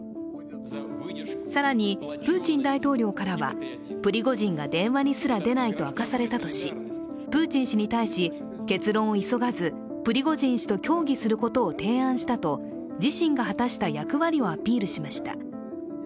更に、プーチン大統領からはプリゴジンが電話にすら出ないと明かされたとし、プーチン氏に対し、結論を急がずプリゴジン氏と協議することを提案したと自身が果たした役割をアピールしました。